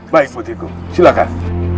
baik putriku silakan